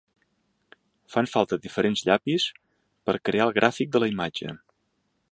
Fan falta diferents llapis per crear el gràfic de la imatge.